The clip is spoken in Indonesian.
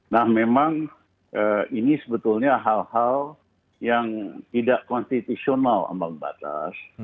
nah memang ini sebetulnya hal hal yang tidak konstitusional ambang batas